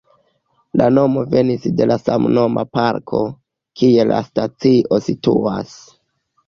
La nomo venis de la samnoma parko, kie la stacio situas.